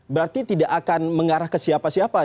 berarti tidak akan mengarah ke siapa siapa